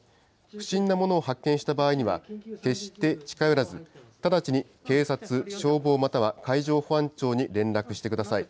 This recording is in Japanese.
不審なものを発見した場合には、決して近寄らず、直ちに警察、消防または海上保安庁に連絡してください。